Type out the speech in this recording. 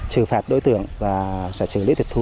trừ phạt đối tượng và sẽ xử lý tịch thu